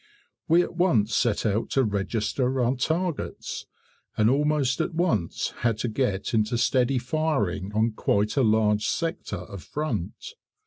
We at once set out to register our targets, and almost at once had to get into steady firing on quite a large sector of front.